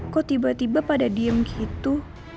kok tiba tiba pada diem gitu